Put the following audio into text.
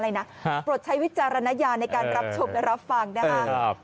อะไรนะฮะโปรดใช้วิจารณญาในการรับชมรับฟังนะฮะเออครับ